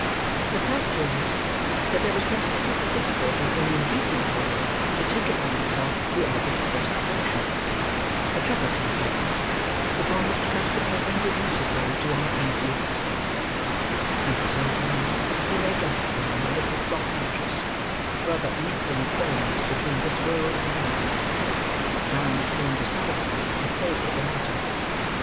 The fact is, that there was considerable difficulty in inducing Oliver to take upon himself the office of respiration,—a troublesome practice, but one which custom has rendered necessary to our easy existence; and for some time he lay gasping on a little flock mattress, rather unequally poised between this world and the next: the balance being decidedly in favour of the latter.